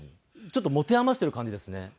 ちょっと持て余してる感じですね